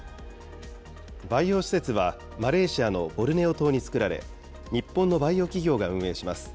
培養施設は、マレーシアのボルネオ島に作られ、日本のバイオ企業が運営します。